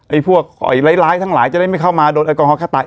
พวกร้ายทั้งหลายจะได้ไม่เข้ามาโดนแอลกอฮอลฆ่าตาย